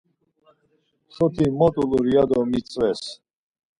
Soti mot ulut ya do mitzves.